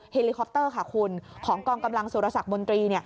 เฮลิคอปเตอร์ค่ะคุณของกองกำลังสุรสักมนตรี